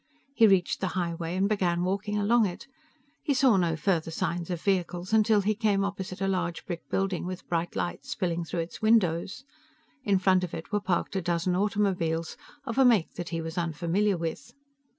He reached the highway and began walking along it. He saw no further sign of vehicles till he came opposite a large brick building with bright light spilling through its windows. In front of it were parked a dozen automobiles of a make that he was unfamiliar with.